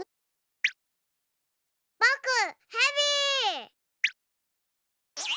ぼくヘビ！